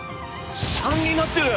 ３になってる！